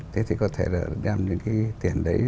thế thì có thể là đem những cái tiền đấy